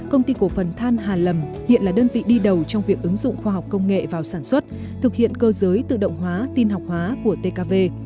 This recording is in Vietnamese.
công ty cổ phần than hà lầm hiện là đơn vị đi đầu trong việc ứng dụng khoa học công nghệ vào sản xuất thực hiện cơ giới tự động hóa tin học hóa của tkv